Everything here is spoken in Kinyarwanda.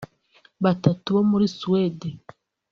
batatu bo muri Swede